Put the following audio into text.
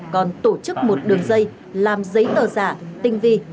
còn tổ chức một đường dây làm giấy tờ giả tinh vi